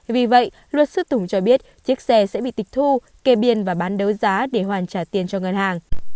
vì vậy luật sư tùng cho biết chiếc xe sẽ bị tịch thu kê biên và bán đấu giá để hoàn trả tiền cho ngân hàng